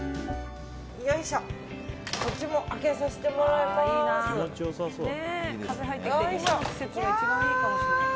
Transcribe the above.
こっちも開けさせてもらいます。